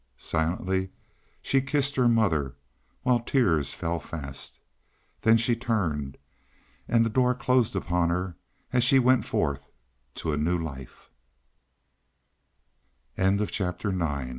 Silently she kissed her mother, while tears fell fast. Then she turned, and the door closed upon her as she went forth to a new lif